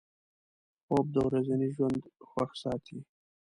خوب د ورځني ژوند خوښ ساتي